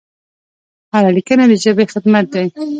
هره لیکنه د ژبې خدمت دی.